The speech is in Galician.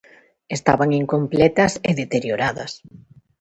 Estaban incompletas e deterioradas.